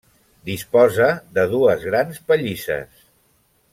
Disposa de dues grans pallisses.